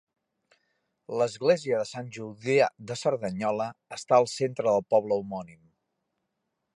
L'església de Sant Julià de Cerdanyola està al centre del poble homònim.